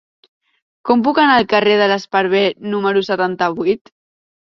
Com puc anar al carrer de l'Esparver número setanta-vuit?